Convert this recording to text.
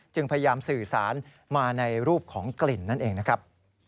พยายามสื่อสารมาในรูปของกลิ่นนั่นเองนะครับ